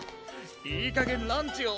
いいかげんランチを。